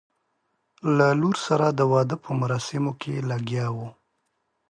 له لور سره د واده په مراسمو لګیا وو.